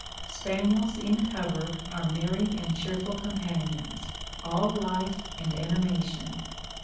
Spaniels in cover are merry and cheerful companions, all life and animation.